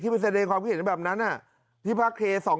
ที่มันเสร็จความพิเศษในแบบนั้นน่ะที่พระเคส่อง